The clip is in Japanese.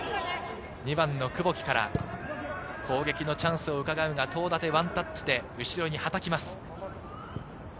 ２番の久保木から攻撃のチャンスを伺うが東舘ワンタッチで後ろにはたきます。